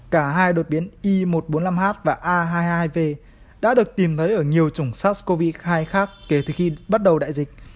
cả hai đột biến i một trăm bốn mươi năm h và a hai mươi hai v đã được tìm thấy ở nhiều chủng sars cov hai khác kể từ khi bắt đầu đại dịch